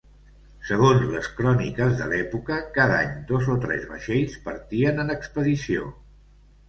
Segons les cròniques de l'època, cada any dos o tres vaixells partien en expedició.